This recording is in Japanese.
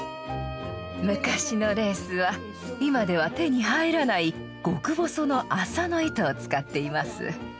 昔のレースは今では手に入らない極細の麻の糸を使っています。